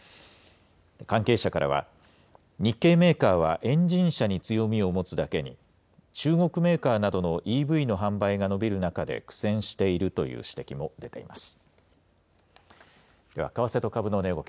関係者からは、日系メーカーはエンジン車に強みを持つだけに、中国メーカーなどのＥＶの販売が伸びる中で苦戦しているという指摘も出ています。